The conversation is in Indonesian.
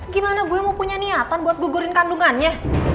gimana gue mau punya niatan buat gugurin kandungannya